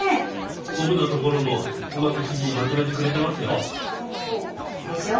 僕のところもうまく記事にまとめてくれてますよ。でしょう？